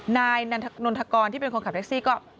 นายนนทกรที่เป็นคนขับแท็กซี่ก็